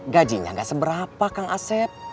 gajinya gak seberapa kang asep